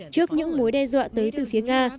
trước những mối đe dọa tới từ phía nga